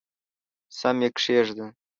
سم یې کښېږده !